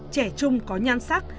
trẻ trung có nhan sắc